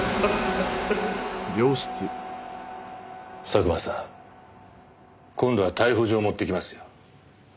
佐久間さん今度は逮捕状持ってきますよ。